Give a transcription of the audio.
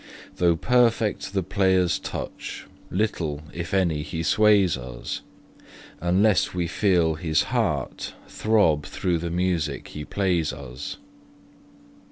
Though perfect the player's touch, little, if any, he sways us, Unless we feel his heart throb through the music he plays us.